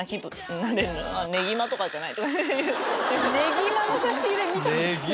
ねぎまの差し入れ見たことない。